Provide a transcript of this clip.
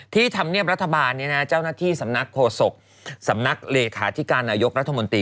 ธรรมเนียบรัฐบาลเจ้าหน้าที่สำนักโฆษกสำนักเลขาธิการนายกรัฐมนตรี